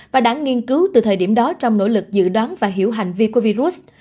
và đã nghiên cứu từ thời điểm đó trong nỗ lực dự đoán và hiểu hành vi của virus